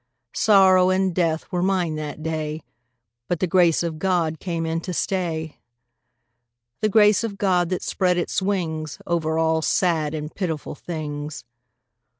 Sorrow and death were mine that day, But the Grace of God came in to stay; The Grace of God that spread its wings Over all sad and pitiful things.